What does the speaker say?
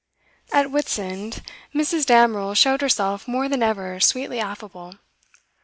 At Whitsand, Mrs. Damerel showed herself more than ever sweetly affable.